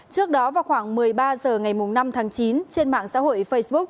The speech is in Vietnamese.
trước đó vào khoảng một mươi ba h ngày năm tháng chín trên mạng xã hội facebook